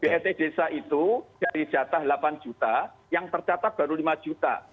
belt desa itu dari jatah delapan juta yang tercatat baru lima juta